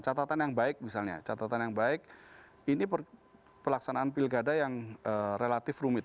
catatan yang baik misalnya catatan yang baik ini pelaksanaan pilkada yang relatif rumit